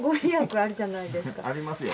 ありますよ。